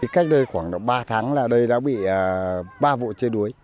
cách đây khoảng ba tháng là đây đã bị ba vụ chê đuối